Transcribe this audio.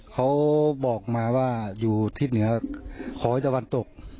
เขาบอกมาว่าอยู่ทิศเหนือขอให้ตะวันตก